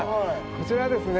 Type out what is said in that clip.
そちらがですね